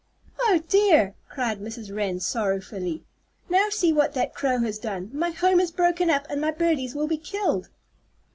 "Oh, dear!" cried Mrs. Wren, sorrowfully. "Now see what that crow has done! My home is broken up, and my birdies will be killed."